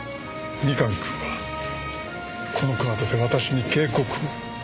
三上くんはこのカードで私に警告を？